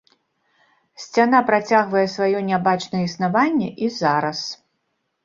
Сцяна працягвае сваё нябачнае існаванне і зараз.